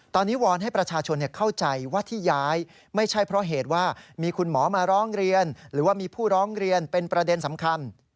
ตอนนี้วอนให้ประชาชนเข้าใจว่าที่ย้ายไม่ใช่เพราะเหตุว่ามีคุณหมอมาร้องเรียนหรือว่ามีผู้ร้องเรียนเป็นประเด็นสำคัญ